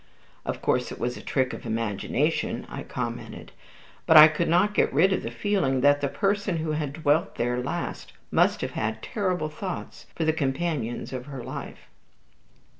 "Of course it was a trick of imagination," I commented; "but I could not get rid of the feeling that the person who had dwelt there last must have had terrible thoughts for the companions of her life."